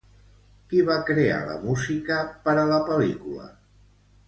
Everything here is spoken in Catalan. Qui va crear la música per a la pel·lícula?